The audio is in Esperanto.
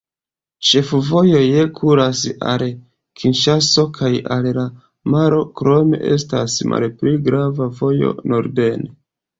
Ĉefvojoj kuras al Kinŝaso kaj al la maro, krome estas malpli grava vojo norden.